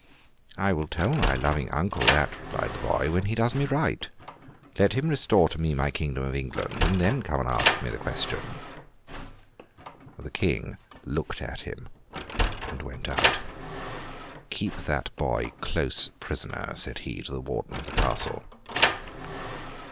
'I will tell my loving uncle that,' replied the boy, 'when he does me right. Let him restore to me my kingdom of England, and then come to me and ask the question.' The King looked at him and went out. 'Keep that boy close prisoner,' said he to the warden of the castle.